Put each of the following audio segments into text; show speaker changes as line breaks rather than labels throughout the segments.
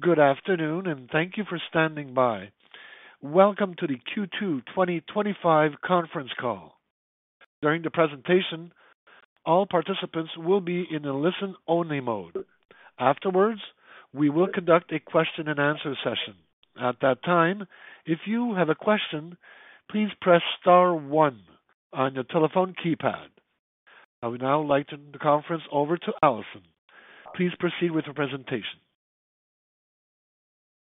Good afternoon and thank you for standing by. Welcome to the Q2 2025 conference call. During the presentation, all participants will be in the listen only mode. Afterwards, we will conduct a question and answer session. At that time, if you have a question, please press star one on your telephone keypad. I would now like to turn the conference over to Alison Harnick. Please proceed with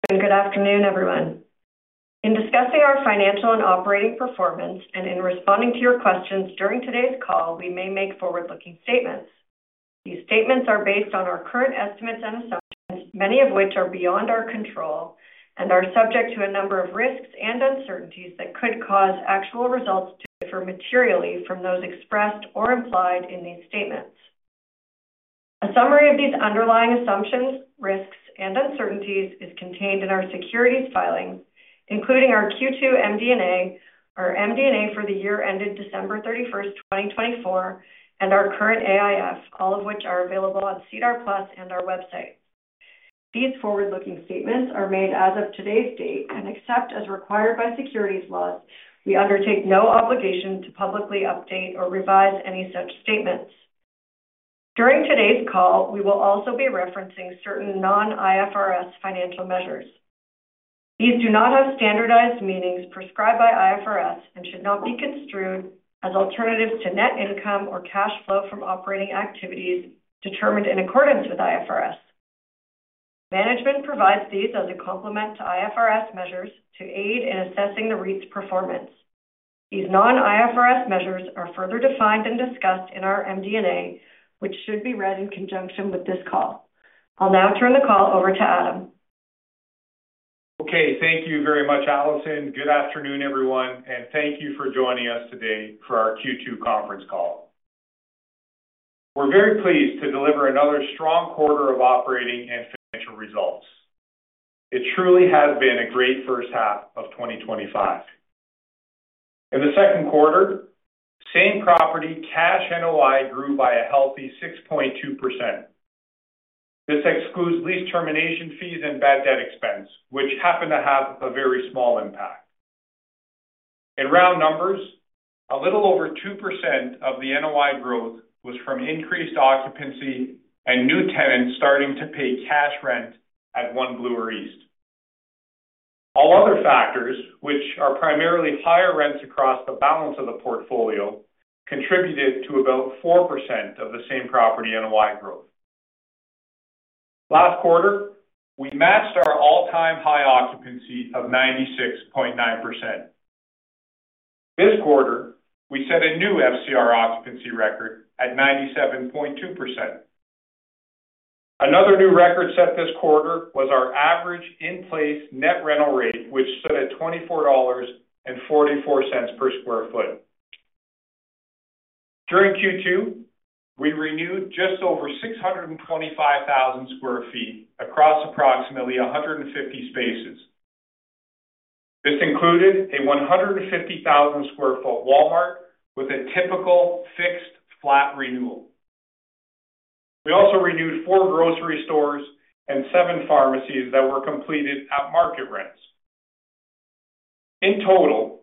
the presentation.
Good afternoon everyone. In discussing our financial and operating performance and in responding to your questions during today's call, we may make forward-looking statements. These statements are based on our current estimates and assumptions, many of which are beyond our control and are subject to a number of risks and uncertainties that could cause actual results to differ materially from those expressed or implied in these statements. A summary of these underlying assumptions, risks, and uncertainties is contained in our securities filings, including our Q2 MD&A, our MD&A for the year ended December 31st, 2024, and our current AIF, all of which are available on SEDAR+ and our website. These forward-looking statements are made as of today's date, and except as required by securities laws, we undertake no obligation to publicly update or revise any such statements. During today's call, we will also be referencing certain non-IFRS financial measures. These do not have standardized meanings prescribed by IFRS and should not be construed as alternatives to net income or cash flow from operating activities determined in accordance with IFRS. Management provides these as a complement to IFRS measures to aid in assessing the REIT's performance. These non-IFRS measures are further defined and discussed in our MD&A, which should be read in conjunction with this call. I'll now turn the call over to Adam.
Okay, thank you very much, Alison. Good afternoon everyone and thank you for joining us today for our Q2 conference call. We're very pleased to deliver another strong quarter of operating and financial results. It truly has been a great first half of 2025. In the second quarter, same property cash NOI grew by a healthy 6.2%. This excludes lease termination fees and bad debt expense, which happen to have a very small impact in round numbers. A little over 2% of the NOI growth was from increased occupancy and new tenants starting to pay cash rent at one Bloor East. All other factors, which are primarily higher rents across the balance of the portfolio, contributed to about 4% of the same property NOI growth. Last quarter we matched our all-time high occupancy of 96.9%. This quarter we set a new FCR record at 97.2%. Another new record set this quarter was our average in-place net rental rate, which stood at $24.44 per square foot. During Q2, we renewed just over 625,000 sq ft across approximately 150 spaces. This included a 150,000 square foot Walmart with a typical fixed flat renewal. We also renewed four grocery stores and seven pharmacies that were completed at market rents. In total,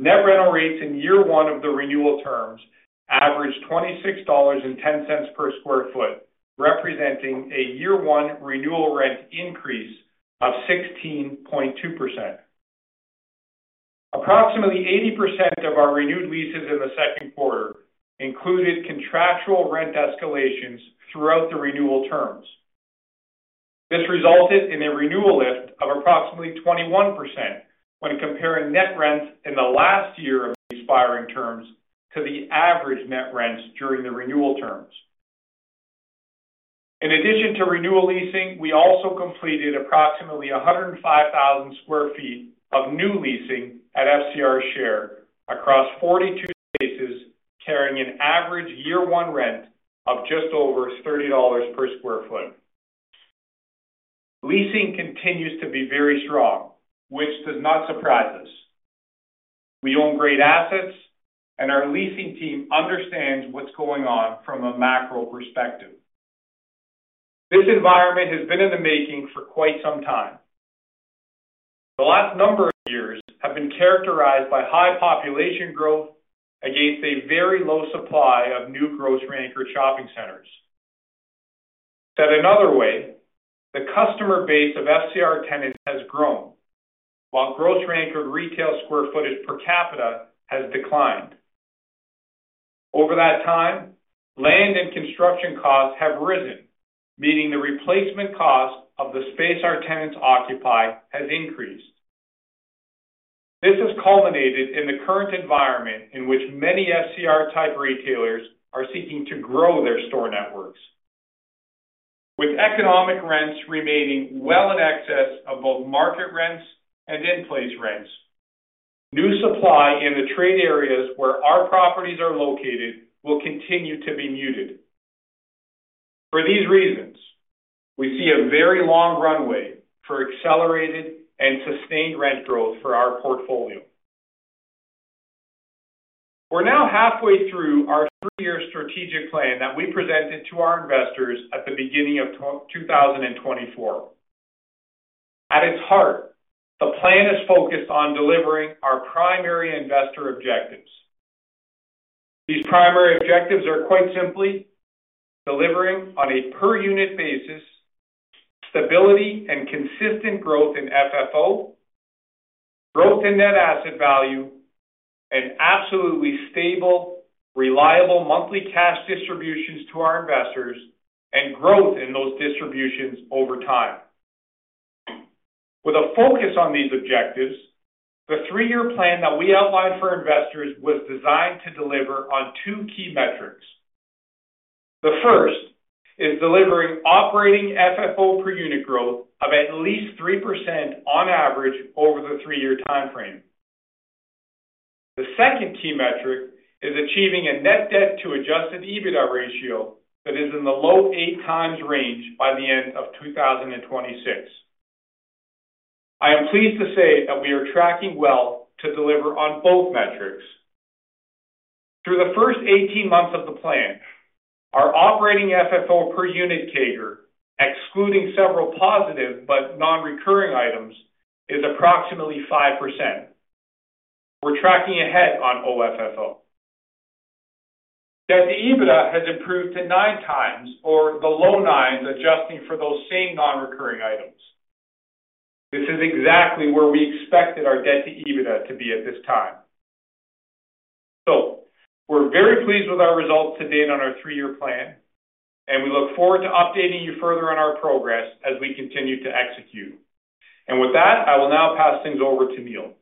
net rental rates in year one of the renewal terms averaged $26.10 per square foot, representing a year one renewal rent increase of 16.2%. Approximately 80% of our renewed leases in the second quarter included contractual rent escalations throughout the renewal terms. This resulted in a renewal lift of approximately 21% when comparing net rents in the last year of expiring terms to the average net rents during the renewal terms. In addition to renewal leasing, we also completed approximately 105,000 square feet of new leasing at FCR share across 42 spaces, carrying an average year one rent of just over $30 per square foot. Leasing continues to be very strong, which does not surprise us. We own great assets and our leasing team understands what's going on. From a macro perspective, this environment has been in the making for quite some time. The last number of years have been characterized by high population growth against a very low supply of new grocery-anchored shopping centers. Said another way, the customer base of FCR tenants has grown while grocery-anchored retail square footage per capita has declined. Over that time, land and construction costs have risen, meaning the replacement cost of the space our tenants occupy has increased. This has culminated in the current environment in which many FCR type retailers are seeking to grow their store networks. With economic rents remaining well in excess of both market rents and in place rents, new supply in the trade areas where our properties are located will continue to be muted. For these reasons, we see a very long runway for accelerated and sustained rent growth for our portfolio. We're now halfway through our three year strategic plan that we presented to our investors at the beginning of 2024. At its heart, the plan is focused on delivering our primary investor objectives. These primary objectives are, quite simply, delivering on a per unit basis, stability and consistent growth in FFO, growth in net asset value, and absolutely stable reliable monthly cash distributions to our investors and growth in those distributions over time. With a focus on these objectives, the three year plan that we outlined for investors was designed to deliver on two key metrics. The first is delivering operating FFO per unit growth of at least 3% on average over the three year time frame. The second key metric is achieving a net debt to adjusted EBITDA ratio that is in the low 8x range by the end of 2026. I am pleased to say that we are tracking well to deliver on both metrics through the first 18 months of the plan. Our operating FFO per unit CAGR excluding several positive but non recurring items is approximately 5%. We're tracking ahead on FFO that the EBITDA has improved to nine times or the low nines adjusting for those same non recurring items. This is exactly where we expected our debt to EBITDA to be at this time. We are very pleased with our results to date on our three year plan and we look forward to updating you further on our progress as we continue to execute. With that, I will now pass things over to Neil.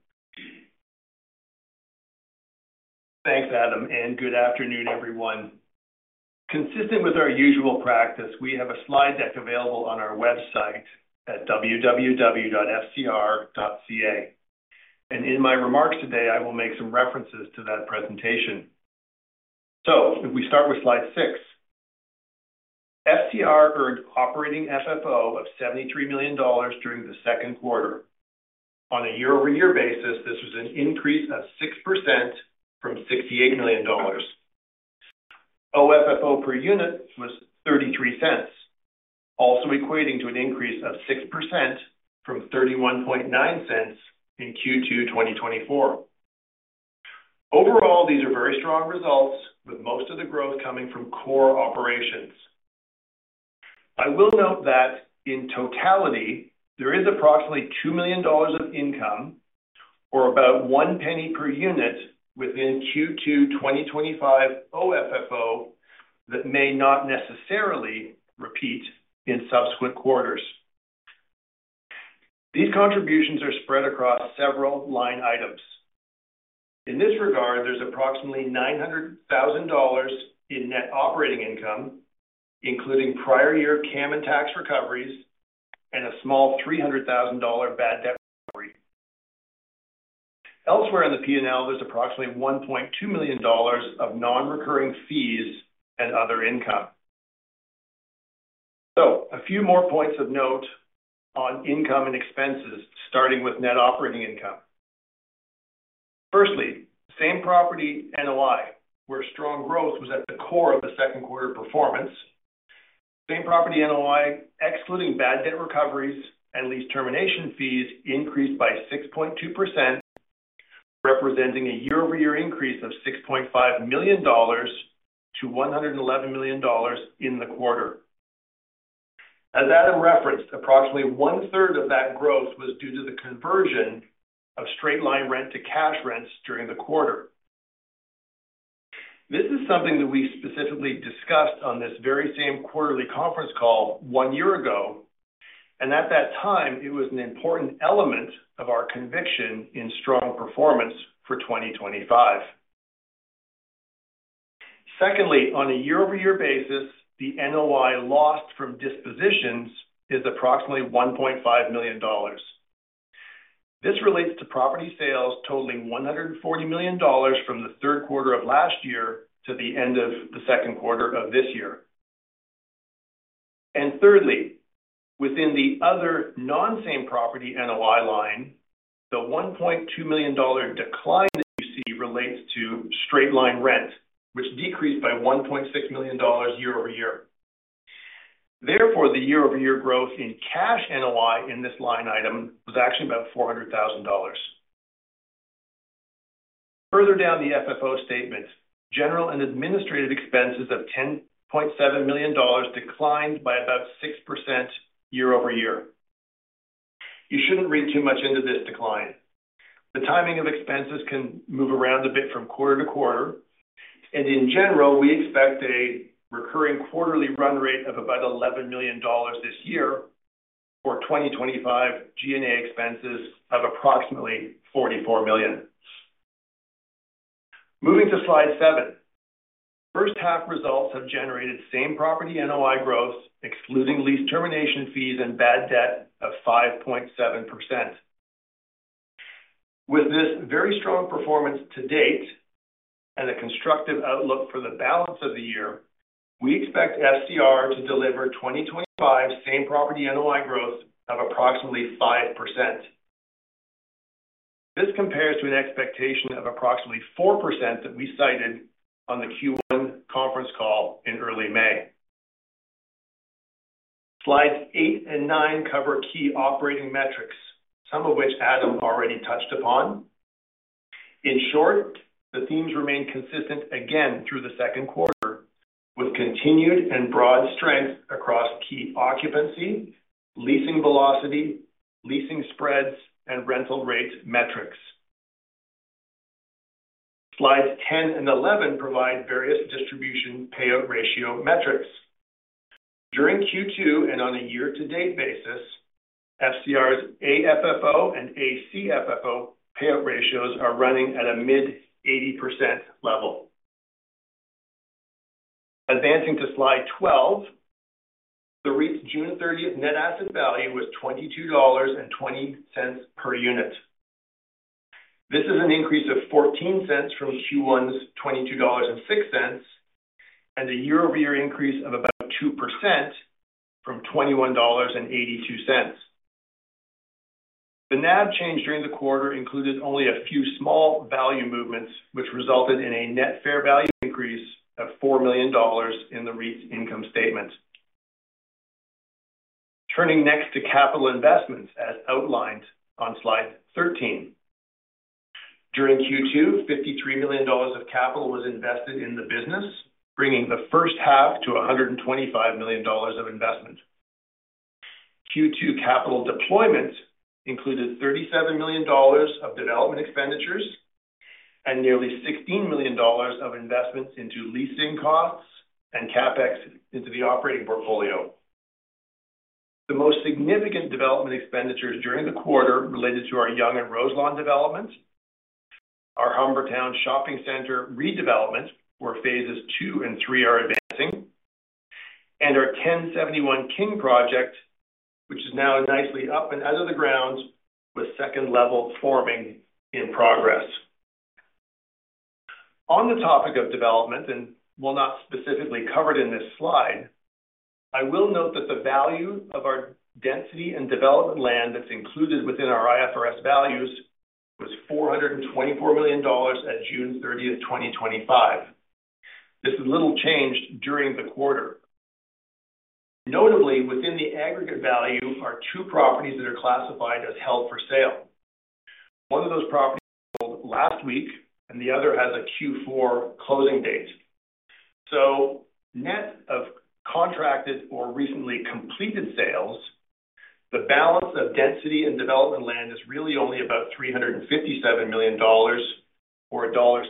Thanks Adam and good afternoon everyone. Consistent with our usual practice, we have a slide deck available on our website at www.fcr.ca and in my remarks today I will make some references to that presentation. If we start with slide six, FCR earned operating FFO of $73 million during the second quarter. On a year-over-year basis, this was an increase of 6% from $68 million. OFFO per unit was $0.33, also equating to an increase of 6% from $0.319 in Q2 2024. Overall, these are very strong results with most of the growth coming from core operations. I will note that in totality there is approximately $2 million of income, or about $0.01 per unit, within Q2 2025 OFFO that may not necessarily repeat in subsequent quarters. These contributions are spread across several line items. In this regard, there's approximately $900,000 in net operating income including prior year CAM and tax recoveries, and a small $300,000 bad debt recovery. Elsewhere in the P&L, there's approximately $1.2 million of non-recurring fees and other income. A few more points of note on income and expenses starting with net operating income. Firstly, same property NOI, where strong growth was at the core of the second quarter performance. Same property NOI, excluding bad debt recoveries and lease termination fees, increased by 6.2%, representing a year-over-year increase of $6.5 million to $111 million in the quarter. As Adam referenced, approximately one third of that growth was due to the conversion of straight line rent to cash rents during the quarter. This is something that we specifically discussed on this very same quarterly conference call one year ago and at that time it was an important element of our conviction in strong performance for 2025. Secondly, on a year-over-year basis, the NOI lost from dispositions is approximately $1.5 million. This relates to property sales totaling $140 million from the third quarter of last year to the end of the second quarter of this year. Thirdly, within the other non-same property NOI line, the $1.2 million decline that you see relates to straight line rent which decreased by $1.6 million year-over-year. Therefore, the year-over-year growth in cash NOI in this line item was actually about $400,000. Further down the FFO statement, general and administrative expenses of $10.7 million declined by about 6% year-over-year. You shouldn't read too much into this decline. The timing of expenses can move around a bit from quarter to quarter, and in general we expect a recurring quarterly run rate of about $11 million this year for 2025 G&A expenses of approximately $44 million. Moving to slide seven, first half results have generated same property NOI growth excluding lease termination fees and bad debt of 5%. With this very strong performance to date and a constructive outlook for the balance of the year, we expect FCR to deliver 2025 same property NOI growth of approximately 5%. This compares to an expectation of approximately 4% that we cited on the Q1 conference call in early May. slides eight and nine cover key operating metrics, some of which Adam already touched upon. In short, the themes remained consistent again through the second quarter with continued and broad strength across key occupancy, leasing velocity, leasing spreads, and rental rates. Metrics slides 10 and 11 provide various distribution payout ratio metrics during Q2 and on a year-to-date basis, FCR's AFFO and ACFFO payout ratios are running at a mid-80% level. Advancing to slide 12, the REIT's June 30 net asset value was $22.20 per unit. This is an increase of $0.14 from Q1's $22.06 and a year-over-year increase of about 2% from $21.82. The NAV change during the quarter included only a few small value movements, which resulted in a net fair value increase of $4 million in the REIT income statement. Turning next to capital investments as outlined on slide 13, during Q2, $53 million of capital was invested in the business, bringing the first half to $125 million of investment. Q2 capital deployments included $37 million of development expenditures and nearly $16 million of investments into leasing costs and CapEx into the operating portfolio. The most significant development expenditures during the quarter related to our Yonge and Roselawn developments, our Humbertown Shopping Centre redevelopment where phases two and three are advancing, and our 1071 King project which is now nicely up and out of the ground with second level forming in progress. On the topic of development, and while not specifically covered in this slide, I will note that the value of our density and development land that's included within our IFRS values was $424 million at June 30, 2025. This is little changed during the quarter. Notably, within the aggregate value are two properties that are classified as held for sale. One of those properties sold last week and the other has a Q4 closing date. Net of contracted or recently completed sales, the balance of density and development land is really only about $357 million or $1.65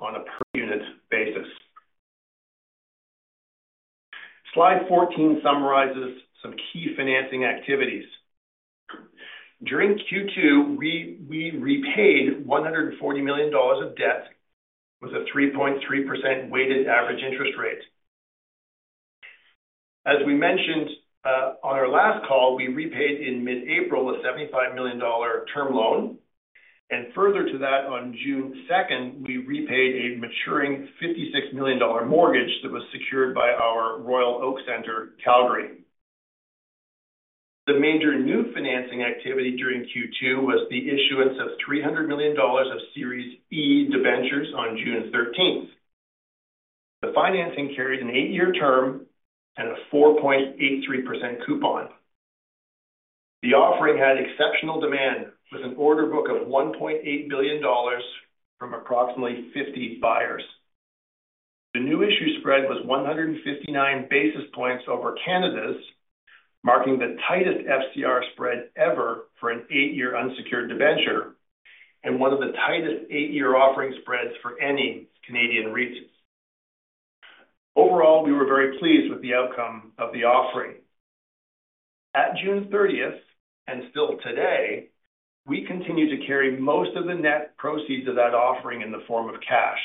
on a per unit basis. Slide 14 summarizes some key financing activities. During Q2 we repaid $140 million of debt with a 3.3% weighted average interest rate. As we mentioned on our last call, we repaid in mid April a $75 million term loan and further to that on June 2nd we repaid a maturing $56 million mortgage that was secured by our Royal Oak Centre Calgary. The major new financing activity during Q2 was the issuance of $300 million of Series E debentures on June 13th. The financing carried an eight year term and a 4.83% coupon. The offering had exceptional demand with an order book of $1.8 billion from approximately 50 buyers. The new issue spread was 159 basis points over Canada's, marking the tightest FCR spread ever for an eight year unsecured debenture and one of the tightest eight year offering spreads for any Canadian REITs. Overall, we were very pleased with the outcome of the offering. At June 30 and still today we continue to carry most of the net proceeds of that offering in the form of cash.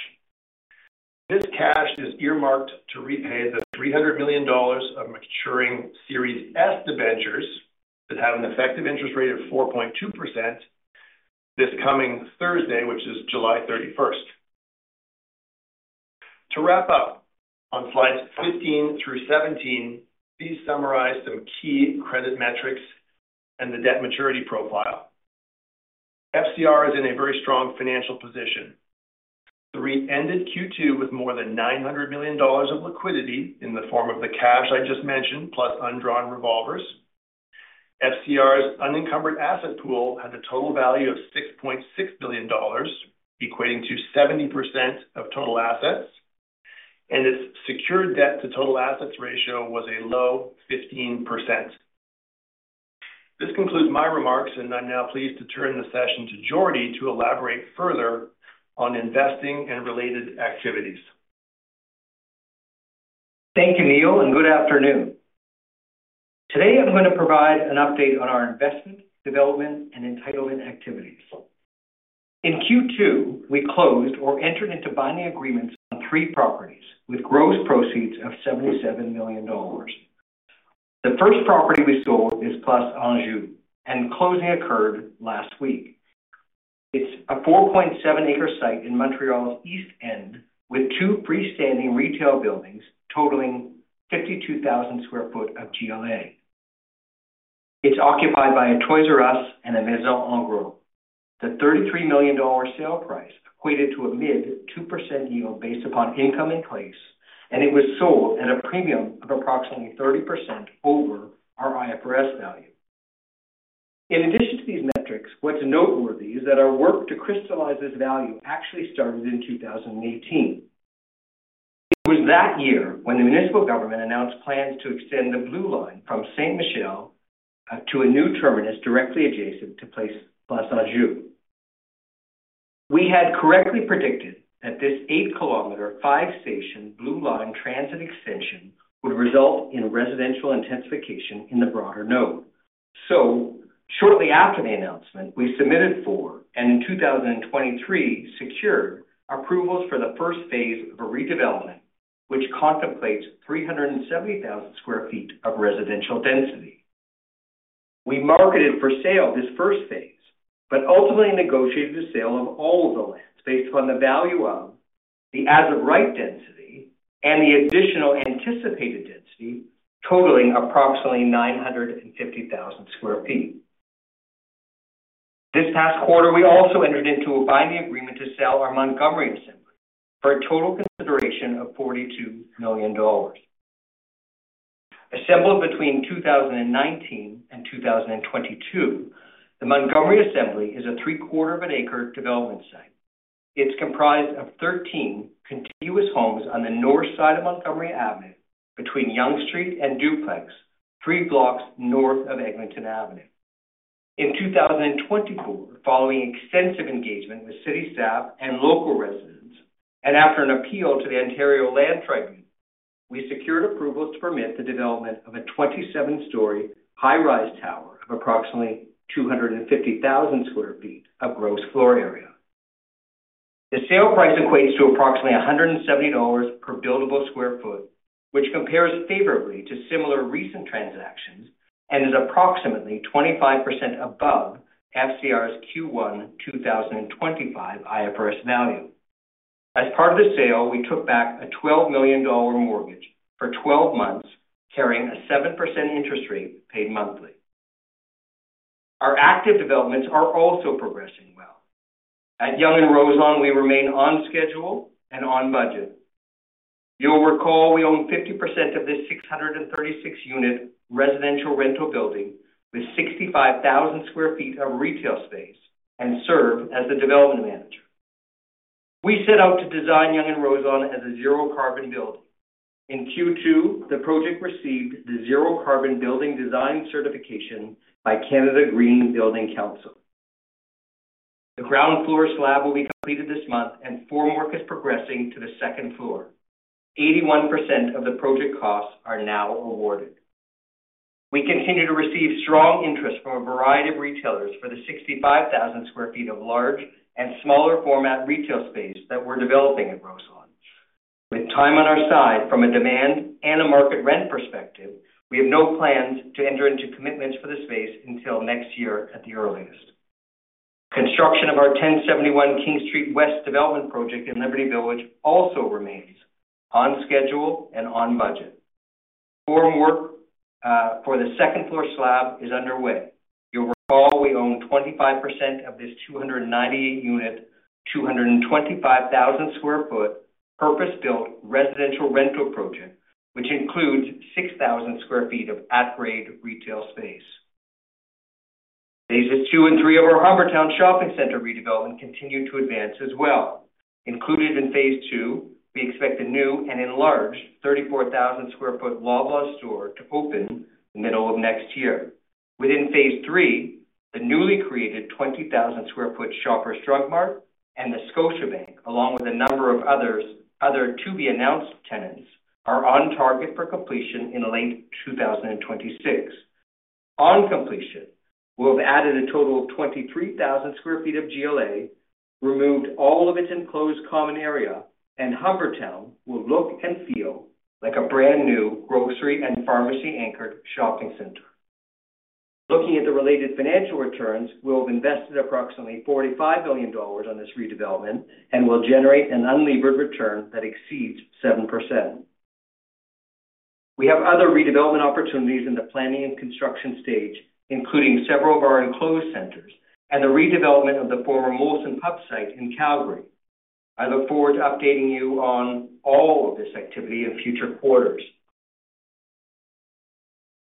This cash is earmarked to repay the $300 million of maturing Series S debentures that have an effective interest rate of 4.2% this coming Thursday, which is July 31. To wrap up, slides 15 through 17 summarize some key credit metrics and the debt maturity profile. FCR is in a very strong financial position. The REIT ended Q2 with more than $900 million of liquidity in the form of the cash I just mentioned plus undrawn revolvers. FCR's unencumbered asset pool had a total value of $6.6 billion, equating to 70% of total assets, and its secured debt to total assets ratio was a low 15%. This concludes my remarks and I'm now pleased to turn the session to Jordan to elaborate further on investing and related activity.
Thank you, Neil, and good afternoon. Today I'm going to provide an update on our investment, development, and entitlement activities. In Q2, we closed or entered into binding agreements on three properties with gross proceeds of $77 million. The first property we sold is Place Anjou, and closing occurred last week. It's a 4.7-acre site in Montreal's east end with two freestanding retail buildings totaling 52,000 sq ft of GLA. It's occupied by a Toys R Us and a Maison Ingros. The $33 million sale price equated to a mid 2% yield based upon income in place, and it was sold at a premium of approximately 30% over our IFRS value. In addition to these metrics, what's noteworthy is that our work to crystallize this value actually started in 2018. It was that year when the municipal government announced plans to extend the blue line from St. Michel to a new terminus directly adjacent to Place Bas Anjou. We had correctly predicted that this 8-km, 5-station blue line transit extension would result in residential intensification in the broader node. Shortly after the announcement, we submitted for and in 2023 secured approvals for the first phase of a redevelopment which contemplates 370,000 sq ft of residential density. We marketed for sale this first phase, but ultimately negotiated the sale of all of the lands based upon the value of the as-of-right density and the additional anticipated density totaling approximately 950,000 sq ft. This past quarter, we also entered into a binding agreement to sell our Montgomery assembly for a total consideration of $42 million. Assembled between 2019 and 2022, the Montgomery assembly is a 0.75-acre development site. It's comprised of 13 continuous homes on the north side of Montgomery Avenue between Yonge Street and Duplex, three blocks north of Eglinton Avenue. In 2024, following extensive engagement with city staff and local residents and after an appeal to the Ontario Land Tribunal, we secured approvals to permit the development of a 27-story high-rise tower of approximately 250,000 sq ft of gross floor area. The sale price equates to approximately $170 per buildable square foot, which compares favorably to similar recent transactions and is approximately 25% above FCR's Q1 2025 IFRS value. As part of the sale, we took back a $12 million mortgage for 12 months carrying a 7% interest rate paid monthly. Our active developments are also progressing well at Yonge and Roselawn. We remain on schedule and on budget. You'll recall we own 50% of this 636-unit residential rental building with 65,000 sq ft of retail space and serve as the Development Manager. We set out to design Yonge and Roselawn as a zero carbon building. In Q2, the project received the Zero Carbon Building Design certification by Canada Green Building Council. The ground floor slab will be completed this month and formwork is progressing to the second floor. 81% of the project costs are now awarded. We continue to receive strong interest from a variety of retailers for the 65,000 sq ft of large and smaller format retail space that we're developing at Roselawn. With time on our side from a demand and a market rent perspective, we have no plans to enter into commitments for the space until next year at the earliest. Construction of our 1071 King Street West development project in Liberty Village also remains on schedule and on budget. Formwork for the second floor slab is underway. You'll recall we own 25% of this 298-unit, 225,000 square foot purpose-built residential rental project which includes 6,000 sq ft of at-grade retail space. Phases two and three of our Humbertown Shopping Centre redevelopment continue to advance as well. Included in phase two, we expect the new and enlarged 34,000 square foot Walmart store to open the middle of next year. Within phase three, the newly created 20,000 square foot Shoppers Drug Mart and the Scotiabank, along with a number of other to-be-announced tenants, are on target for completion in late 2026. On completion, we'll have added a total of 23,000 sq ft of GLA, removed all of its enclosed common area, and Humbertown will look and feel like a brand new grocery and pharmacy anchored shopping centre. Looking at the related financial returns, we'll have invested approximately $45 million on this redevelopment and will generate an unlevered return that exceeds 7%. We have other redevelopment opportunities in the planning and construction stage, including several of our enclosed centers and the redevelopment of the former Molson Pub site in Calgary. I look forward to updating you on all of this activity in future quarters.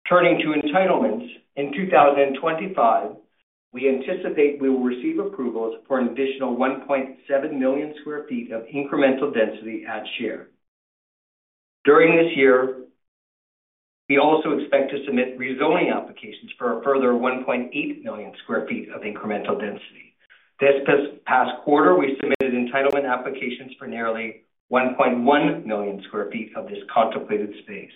Turning to entitlements in 2025, we anticipate we will receive approvals for an additional 1.7 million sq ft of incremental density at share during this year. We also expect to submit rezoning applications for a further 1.8 million sq ft of incremental density. This past quarter we submitted entitlement applications for nearly 1.1 million sq ft of this contemplated space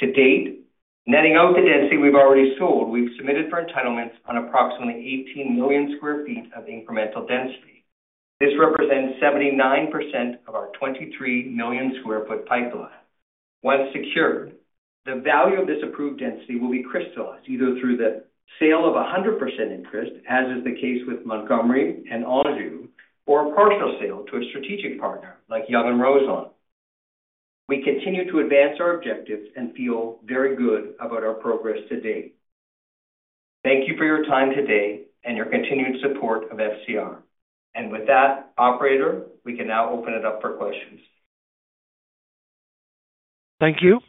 to date. Netting out the density we've already sold, we've submitted for entitlements on approximately 18 million sq ft of incremental density. This represents 79% of our 23 million square foot pipeline. Once secured, the value of this approved density will be crystallized either through the sale of 100% interest, as is the case with Montgomery and Anjou, or a partial sale to a strategic partner like Yonge and Roselawn. We continue to advance our objectives and feel very good about our progress to date. Thank you for your time today and your continued support of FCR. With that, operator, we can now open it up for questions.
Thank you.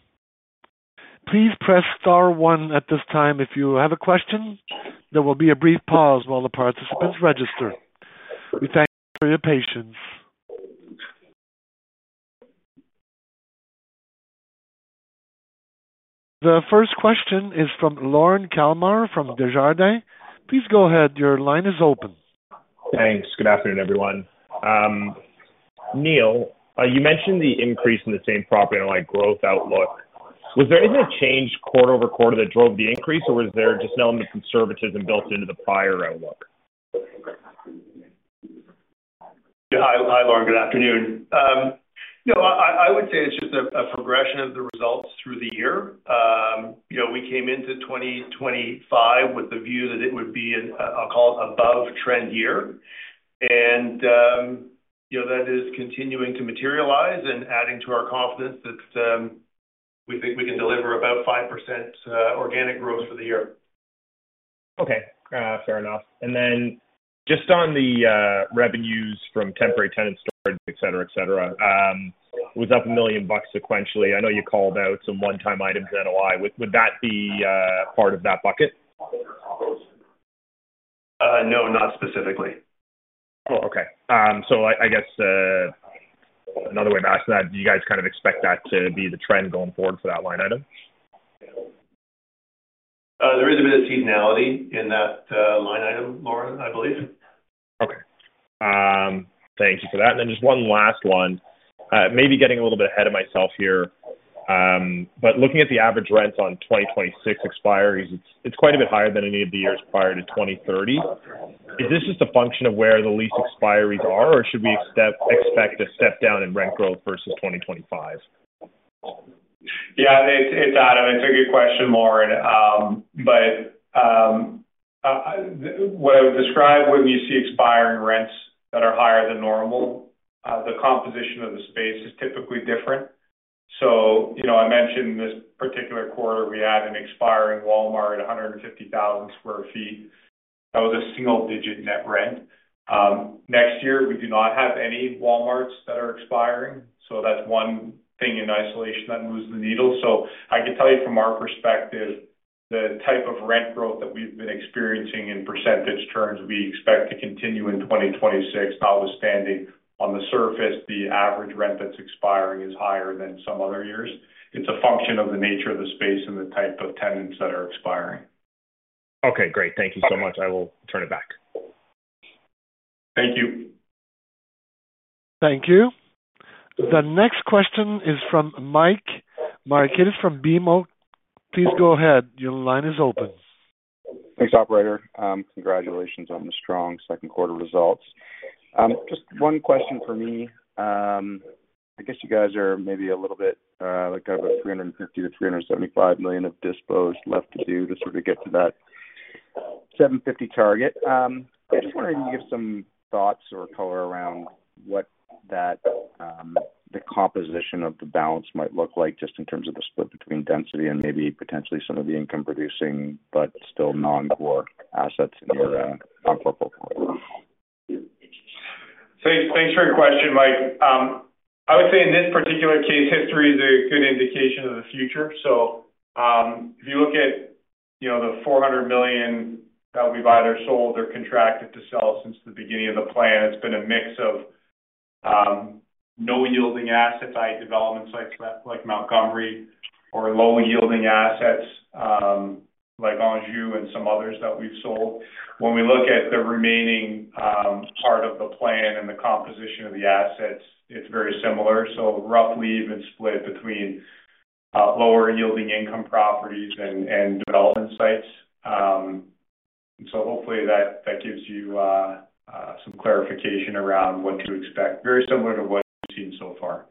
Please press star one at this time if you have a question. There will be a brief pause while the participants register. We thank you for your patience. The first question is from Lorne Kalmar from Desjardins. Please go ahead. Your line is open.
Thanks. Good afternoon, everyone. Neil, you mentioned the increase in the same property NOI growth outlook. Was there anything changed quarter-over-quarter that drove the increase, or was there just an element of conservatism built into the prior outlook?
Hi, Lore. Good afternoon. No, I would say it's just a progression of the results through the year. You know, we came into 2025 with the view that it would be, I'll call it, an above trend year. You know, that is continuing to materialize and adding to our confidence that we think we can deliver about 5% organic growth for the year.
Okay, fair enough. Just on the revenues from temporary tenant storage, et cetera, et cetera, was up $1 million sequentially. I know you called out some one-time items. NOI. Would that be part of that bucket?
No, not specifically.
Okay. I guess another way of asking that, do you guys kind of expect that to be the trend going forward for that line item?
There is a bit of seasonality in that line item, Lore, I believe.
Okay, thank you for that. Just one last one. Maybe getting a little bit ahead of myself here, but looking at the average rent on 2026 expiries, it's quite a bit higher than any of the years prior to 2030. Is this just a function of where the lease expiries are, or should we expect a step down in rent growth versus 2025?
Yeah, it's Adam. It's a good question, Lore. I would describe, when you see expiring rents that are higher than normal, the composition of the space is typically different. I mentioned this particular quarter, we had an expiring Walmart, 150,000 sq ft. That was a single digit net rent. Next year, we do not have any Walmarts that are expiring. That's one thing in isolation that moves the needle. I can tell you from our perspective the type of rent growth that we've been experiencing in % terms we expect to continue in 2026 notwithstanding. On the surface, the average rent that's expiring is higher than some other years. It's a function of the nature of the space and the type of tenants that are expiring.
Okay, great. Thank you so much. I will turn it back.
Thank you.
The next question is from Michael Markidis from BMO. Please go ahead. Your line is open.
Thanks, operator. Congratulations on the strong second quarter results. Just one question for me. I guess you guys are maybe a little bit like $350 million-$375 million of dispos left to do to sort of get to that $750 million target. I just wanted to give some thoughts or color around what the composition of the balance might look like, just in terms of the split between density and maybe potentially some of the income producing but still non-core assets in your non-core portfolio.
Thanks for your question, Mike. I would say in this particular case history is a good indication of the future. If you look at the $400 million that we've either sold or contracted to sell since the beginning of the plan, it's been a mix of no yielding assets, development sites like Montgomery or low yielding assets like Anjou and some others that we've sold. When we look at the remaining part of the plan and the composition of the assets, it's very similar. It's a roughly even split between lower yielding income properties and development sites. Hopefully that gives you some clarification around what to expect. It's very similar to what you've seen so far.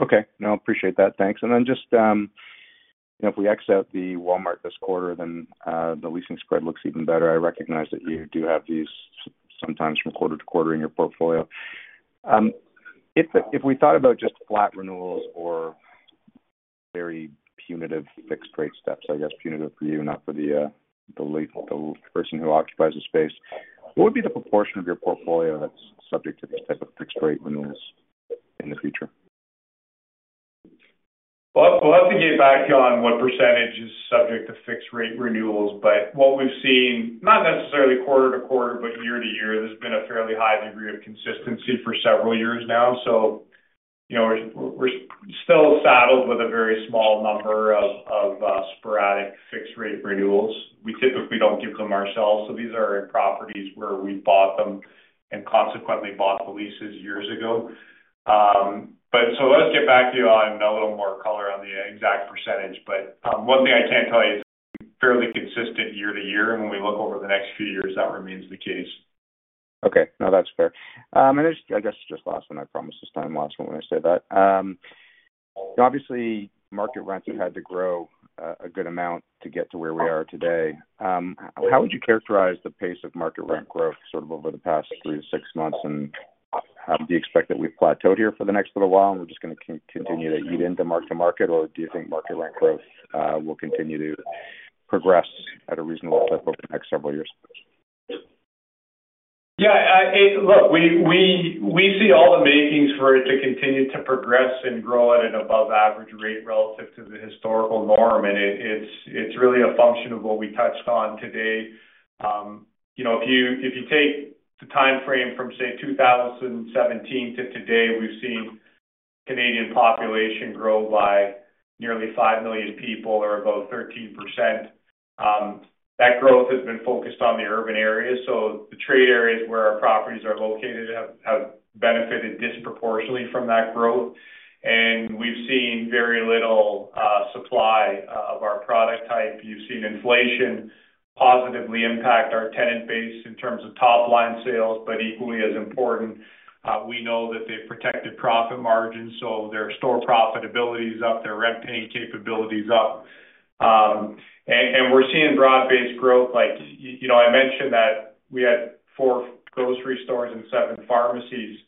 Okay, no, appreciate that, thanks. If we exit the Walmart this quarter, then the leasing spread looks even better. I recognize that you do have these sometimes from quarter to quarter in your portfolio. If we thought about just flat renewals or very punitive fixed rate steps, I guess punitive for you, not for the late person who occupies the space. What would be the proportion of your portfolio that's subject to these type of fixed rate renewals in the future?
We will have to get back on what % is subject to fixed rate renewals. What we've seen, not necessarily quarter to quarter, but year to year, there's been a fairly high degree of consistency for several years now. We're still saddled with a very small number of sporadic fixed rate renewals. We typically don't give them ourselves. These are properties where we bought them and consequently bought the leases years ago. Let's get back to you on a little more color on the exact %. One thing I can tell you is it's fairly consistent year to year. When we look over the next few years, that remains the case.
No, that's fair. I guess just last one, I promised this time, last one. When I say that obviously market rents have had to grow a good amount to get to where we are today, how would you characterize the pace of market rent growth over the past three to six months? Do you expect that we've plateaued here for the next little while and we're just going to continue to eat into mark to market, or do you think market rent growth will continue to progress at a reasonable clip over the next several years?
Yeah, look, we see all the makings for it to continue to progress and grow at an above average rate relative to the historical norm. It's really a function of what we touched on today. If you take the time frame from, say, 2017 to today, we've seen Canadian population grow by nearly 5 million people, or about 13%. That growth has been focused on the urban areas. The trade areas where our properties are located have benefited disproportionately from that growth. We've seen very little supply of our product type. You've seen inflation positively impact our tenant base in terms of top line sales. Equally as important, we know that they've protected profit margins. Their store profitability is up, their rent paying capability is up, and we're seeing broad based growth. I mentioned that we had four grocery stores and seven pharmacies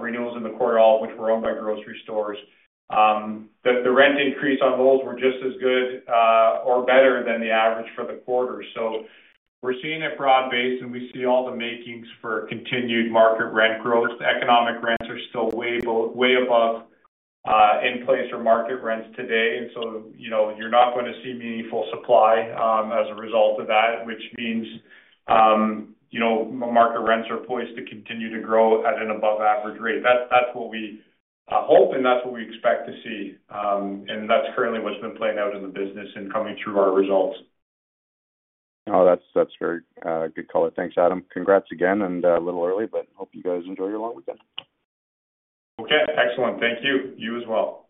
renewals in the quarter, all which were owned by grocery stores. The rent increase on those were just as good or better than the average for the quarter. We're seeing a broad base and we see all the makings for continued market rent growth. Economic rents are still way, way above in place for market rents today. You're not going to see meaningful supply as a result of that, which means market rents are poised to continue to grow at an above average rate. That's what we hope and that's what we expect to see. That's currently what's been playing out in the business and coming through our results.
That's very good. Thanks, Adam. Congrats again, and a little early, but hope you guys enjoy your long weekend.
Okay, excellent. Thank you. You as well.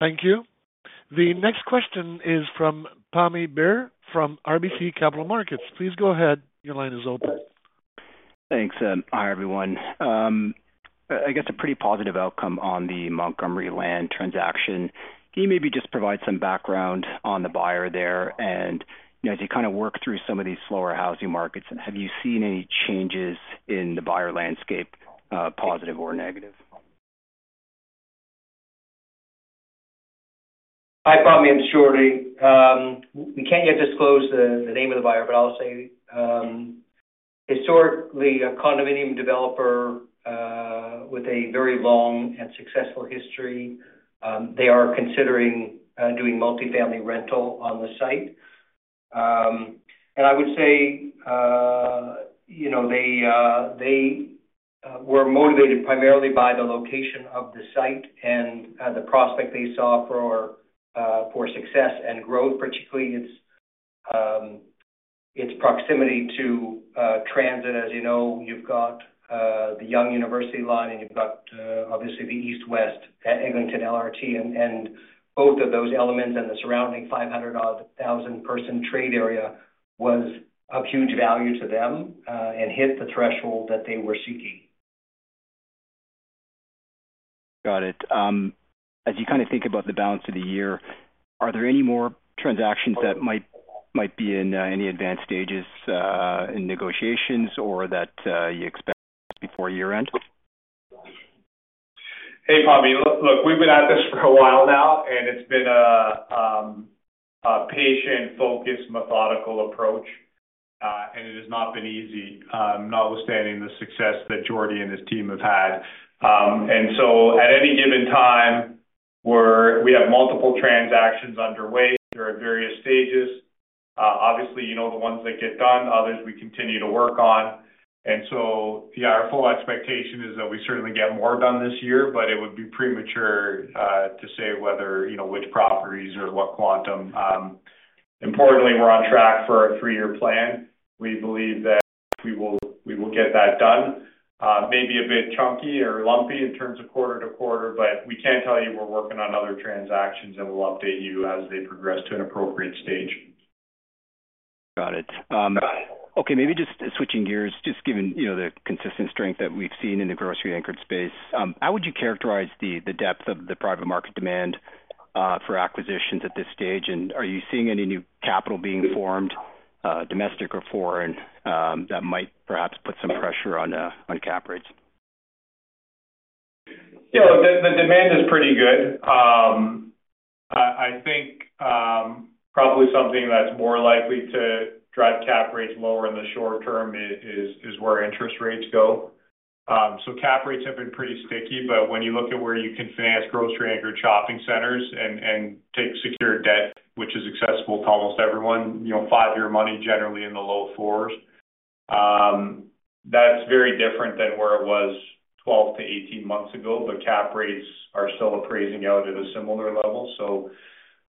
Thank you. The next question is from Pammi Bir from RBC Capital Markets. Please go ahead. Your line is open.
Thanks. Hi, everyone. I guess a pretty positive outcome on the Montgomery assembly transaction. Can you maybe just provide some background on the buyer there? As you kind of work through some of these slower housing markets, have you seen any changes in the buyer landscape, positive or negative?
Hi, Pammi. I'm Jordan. We can't yet disclose the name of the buyer, but I'll say historically a condominium developer with a very long and successful history, they are considering doing multi family rental on the site. I would say they were motivated primarily by the location of the site and the prospect they saw for success and growth, particularly its proximity to transit. As you know, you've got the Yonge University line and you've got obviously the east-west Eglinton LRT, and both of those elements and the surrounding 500,000-person trade area was of huge value to them and hit the threshold that they were seeking.
Got it. As you kind of think about the balance of the year, are there any more transactions that might be in any advanced stages in negotiations or that you expect before year end?
Hey, Pammi, look, we've been at this for a while now and it's been a patient, focused, methodical approach, and it has not been easy, notwithstanding the success that Jordan and his team have had. At any given time, we have multiple transactions underway. There are various stages. Obviously you know the ones that get done, others we continue to work on. Our full expectation is that we certainly get more done this year, but it would be premature to say whether, you know, which properties or what quantum. Importantly, we're on track for a three year plan. We believe that we will get that done. Maybe a bit chunky or lumpy in terms of quarter to quarter, but we can tell you we're working on other transactions and we'll update you as they progress to an appropriate stage.
Got it. Okay. Maybe just switching gears, just given the consistent strength that we've seen in the grocery-anchored space, how would you characterize the depth of the private market demand for acquisitions at this stage? Are you seeing any new capital being formed, domestic or foreign, that might perhaps put some pressure on cap rates?
The demand is pretty good. I think probably something that's more likely to drive cap rates lower in the short term is where interest rates go. Cap rates have been pretty sticky. When you look at where you can finance grocery-anchored shopping centers and take secured debt, which is accessible to almost everyone, five-year money generally in the low 4s, that's very different than where it was 12-18 months ago. Cap rates are still appraising out at a similar level.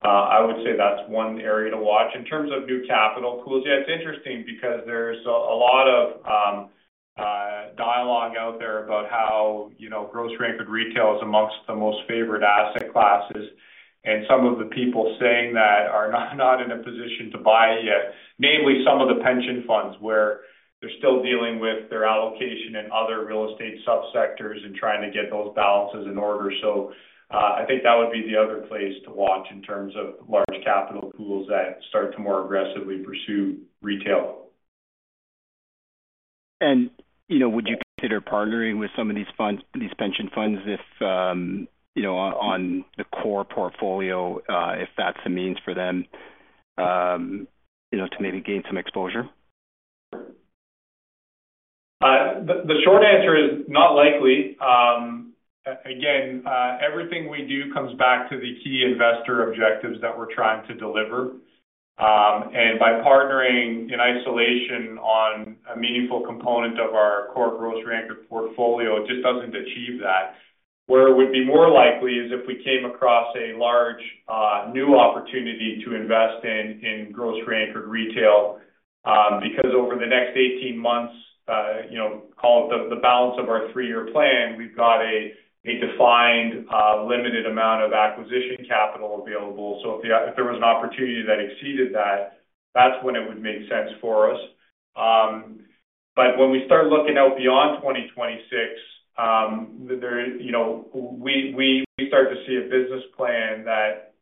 I would say that's one area to watch in terms of new capital pools. It's interesting because there's a lot of dialogue out there about how, you know, grocery-anchored retail is amongst the most favored asset classes and some of the people saying that are not in a position to buy yet, namely some of the pension funds where they're still dealing with their allocation in other real estate subsectors and trying to get those balances in order. I think that would be the other place to watch in terms of large capital pools that start to more aggressively pursue retail.
Would you consider partnering with some of these funds, these pension funds, if, on the core portfolio, if that's the means for them to maybe gain some exposure?
The short answer is not likely. Again, everything we do comes back to the key investor objectives that we're trying to deliver. By partnering in isolation on a meaningful component of our core grocery-anchored retail portfolio just doesn't achieve that. Where it would be more likely is if we came across a large new opportunity to invest in grocery-anchored retail. Over the next 18 months, call it the balance of our three-year plan, we've got a defined limited amount of acquisition capital available. If there was an opportunity that exceeded that, that's when it would make sense for us. When we start looking out beyond 2026, we start to see a business plan that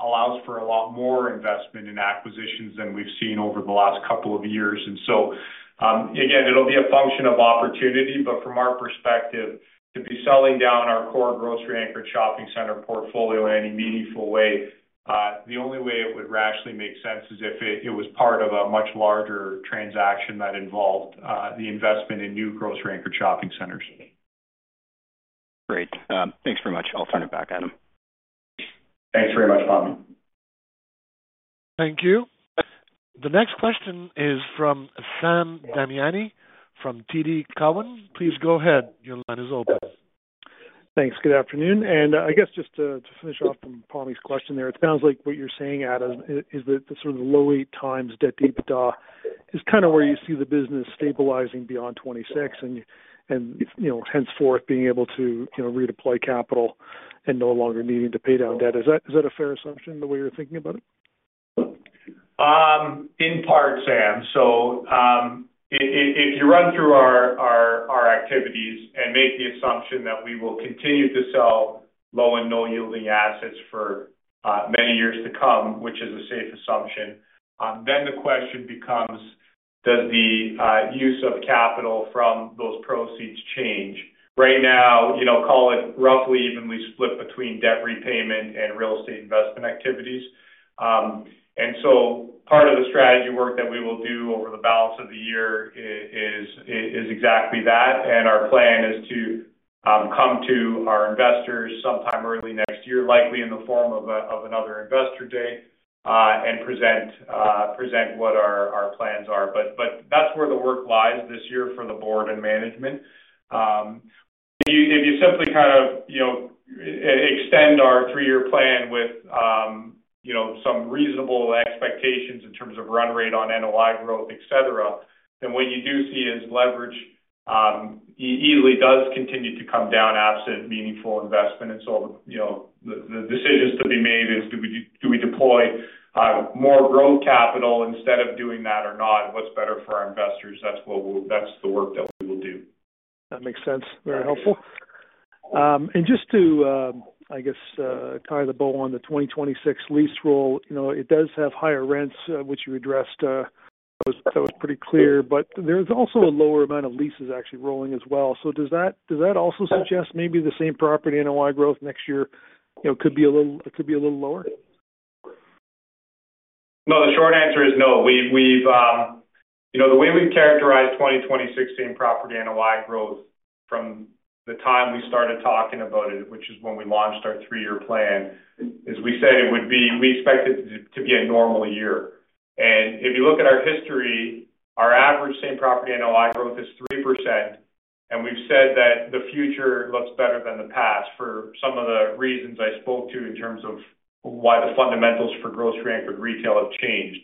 allows for a lot more investment in acquisitions than we've seen over the last couple of years. It will be a function of opportunity. From our perspective, to be selling down our core grocery-anchored shopping center portfolio in any meaningful way, the only way it would rationally make sense is if it was part of a much larger transaction that involved the investment in new grocery-anchored shopping centers.
Great, thanks very much. I'll turn it back. Adam.
Thanks very much.
The next question is from Sam Damiani from TD Cowen. Please go ahead. Your line is open.
Thanks. Good afternoon. Just to finish off from his question there, it sounds like what you're saying, Adam, is that the sort of low 8x debt to EBITDA is kind of where you see the business stabilizing beyond 2026 and, you know, henceforth being able to redeploy capital and no longer needing to pay down debt. Is that a fair assumption, the way you're thinking about it?
In part. Sam, if you run through our activities and make the assumption that we will continue to sell low and no yielding assets for many years to come, which is a safe assumption, the question becomes does the use of capital from those proceeds change. Right now, you know, call it roughly evenly split between debt repayment and real estate investment activities. Part of the strategy work that we will do over the balance of the year is exactly that. Our plan is to come to our investors sometime early next year, likely in the form of another investor day, and present what our plans are. That's where the work lies this year for the Board and management. If you simply kind of, you know, extend our three year plan with, you know, some reasonable expectations in terms of run rate on NOI growth, etc, what you do see is leverage easily does continue to come down absent meaningful investment. The decisions to be made are do we deploy more growth capital instead of doing that or not, what's better for our investors. That's the work that we will do.
That makes sense. Very helpful. Just to, I guess, tie the bow on the 2026 lease roll, it does have higher rents, which you addressed. That was pretty clear. There's also a lower amount of leases actually rolling as well. Does that also suggest maybe the same property NOI growth next year could be a little, it could be a little lower?
No. The short answer is no. We've, you know, the way we've characterized 2016 property NOI growth from the time we started talking about it, which is when we launched our three year plan, is we said it would be, we expected to be a normal year. If you look at our history, our average same property NOI growth is 3%. We've said that the future looks better than the past for some of the reasons I spoke to in terms of why the fundamentals for grocery-anchored retail have changed.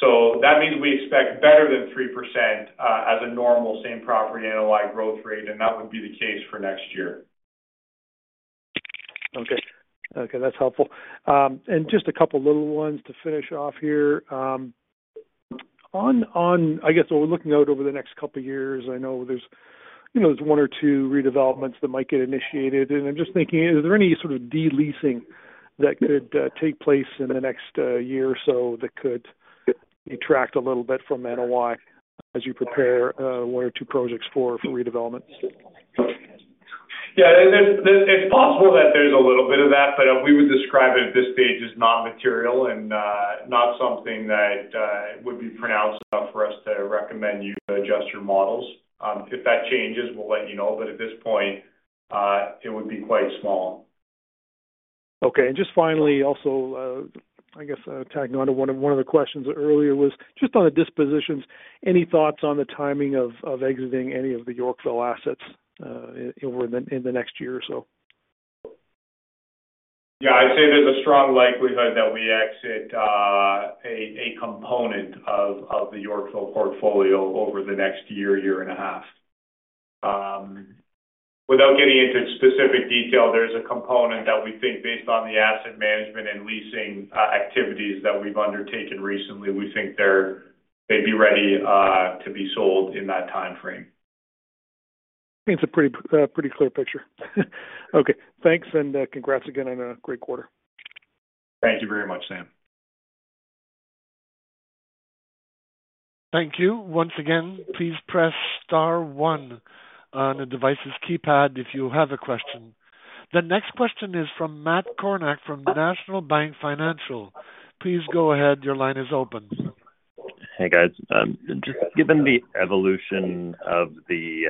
That means we expect better than 3% as a normal same property NOI growth rate, and that would be the case for next year.
Okay, that's helpful. Just a couple little ones to finish off here. On. I guess looking out over the next couple years, I know there's, you know, there's one or two redevelopment projects that might get initiated. I'm just thinking, is there any sort of de-leasing that could take place in the next year or so that could detract a little bit from NOI as you prepare one or two projects for redevelopment?
Yeah, it's possible that there's a little bit of that. We would describe it at this stage as not something that would be pronounced enough for us to recommend you adjust your models. If that changes, we'll let you know. At this point it would be quite small.
Okay. Finally, I guess tagging onto one of the questions earlier, was just on the dispositions. Any thoughts on the timing of exiting any of the Yorkville assets in the next year or so?
Yeah, I'd say there's a strong likelihood that we exit a component of the Yorkville portfolio over the next year, year and a half. Without getting into specific detail, there's a component that we think, based on the asset management and leasing activities that we've undertaken recently, we think they'd be ready to be sold in that time frame.
I think it's a pretty clear picture. Okay, thanks and congrats again on a great quarter.
Thank you very much, Sam.
Thank you. Once again, please press star one on the device's keypad if you have a question. The next question is from Matt Kornack from National Bank Financial. Please go ahead. Your line is open.
Hey guys, just given the evolution of the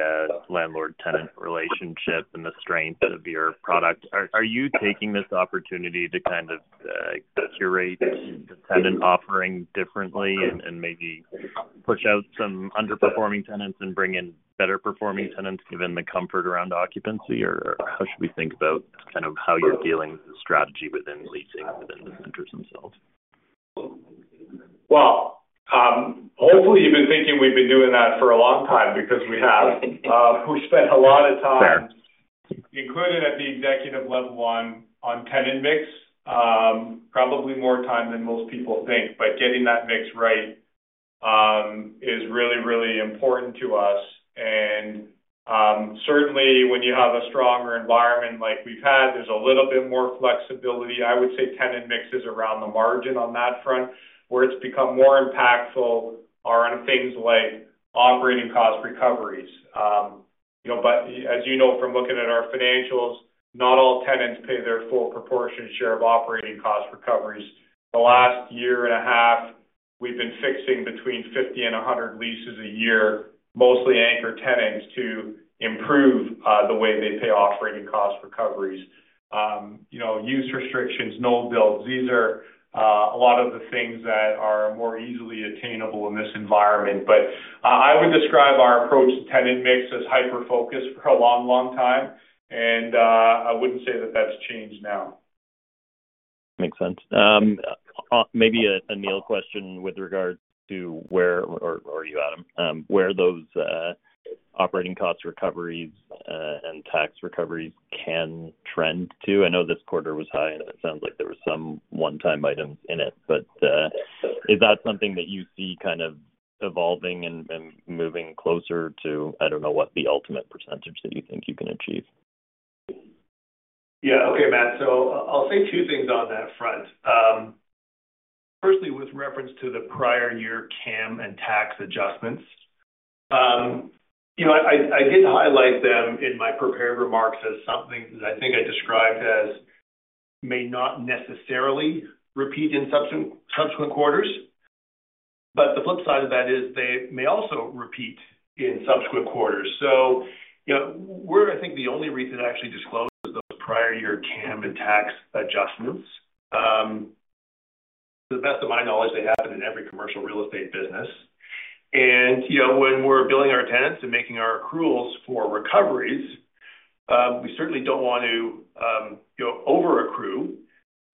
landlord tenant relationship and the strength of your product, are you taking this opportunity to kind of curate the tenant offering differently and maybe push out some underperforming tenants and bring in better performing tenants given the comfort around occupancy, or how should we think about kind of how you're dealing with the strategy within leasing within the centers themselves?
Hopefully you've been thinking we've been doing that for a long time because we have spent a lot of time, including at the executive level, on tenant mix. Probably more time than most people think. Getting that mix right is really, really important to us. Certainly, when you have a stronger environment like we've had, there's a little bit more flexibility. I would say tenant mix is around the margin on that front. Where it's become more impactful are on things like operating cost recoveries. As you know from looking at our financials, not all tenants pay their full proportionate share of operating cost recoveries. The last year and a half we've been fixing between 50 and 100 leases a year, mostly anchor tenants, to improve the way they pay operating cost recoveries. Use restrictions, no builds, these are a lot of the things that are more easily attainable in this environment. I would describe our approach to tenant mix as hyper focused for a long, long time. I wouldn't say that that's changed now.
Makes sense. Maybe a Neil question with regard to where, or you Adam, where those operating cost recoveries and tax recoveries can trend to. I know this quarter was high, and it sounds like there were some one-time items in it, but is that something that you see kind of evolving and moving closer to, I don't know, what the ultimate % that you think you can achieve?
Yeah. Okay, Matt, so I'll say two things on that front. Firstly, with reference to the prior year CAM and tax adjustments, I did highlight them in my prepared remarks as something that I think I described as may not necessarily repeat in subsequent quarters. The flip side of that is they may also repeat in subsequent quarters. The only reason actually discloses those prior year CAM and tax adjustments, to the best of my knowledge, they. Happen in every commercial real estate business. When we're billing our tenants and making our accruals for recoveries, we certainly don't want to over accrue.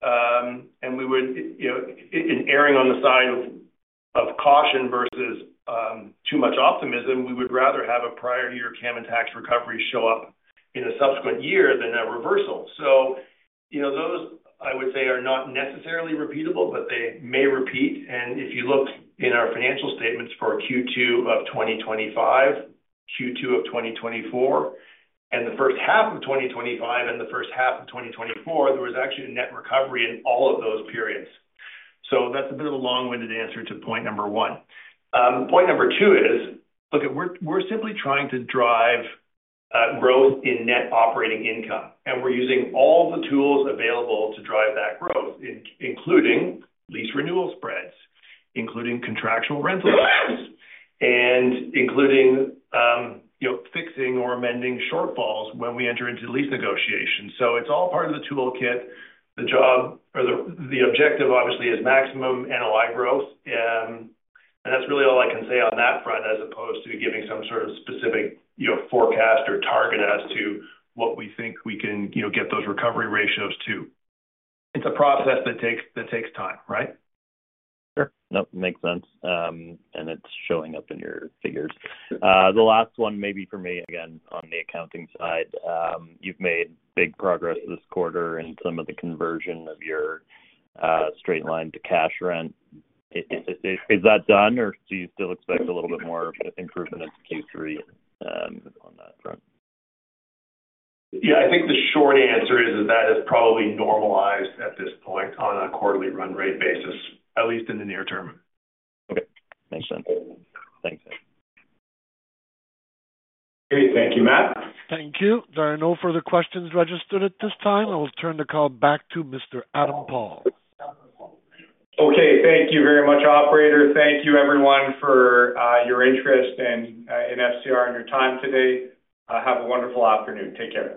In erring on the side of caution versus too much optimism, we would rather have a prior year CAM and tax recovery show up in a subsequent year than a reversal. Those, I would say, are not necessarily repeatable, but they may repeat. If you look in our financial statements for Q2 of 2025, Q2 of 2024, and the first half of 2025 and the first half of 2024, there was actually a net recovery in all of those periods. That's a bit of a long-winded answer to point number one. Point number two is, look, we're simply trying to drive growth in net operating income and we're using all the tools available to drive that growth, including lease renewal spreads, including contractual rental, and including fixing or amending shortfalls when we enter into lease negotiations. It's all part of the toolkit. The job or the objective obviously is maximum NOI growth and that's really all I can say on that front as opposed to giving some sort of specific forecast or target as to what we think we can get those recovery ratios to, it's a process that takes time. Right.
Sure. No, makes sense. It's showing up in your figures. The last one maybe for me again. On the accounting side, you've made big progress this quarter in some of the conversion of your straight line to cash rent. Is that done or do you still expect a little bit more improvement in Q3 on that front?
I think the short answer is that is probably normalized at this point on a quarterly run rate basis at least in the near term.
Okay, makes sense. Thanks.
Thank you, Matt.
There are no further questions registered at this time. I will turn the call back to Mr. Adam Paul.
Okay, thank you very much, operator. Thank you everyone for your interest in FCR and your time today. Have a wonderful afternoon. Take care.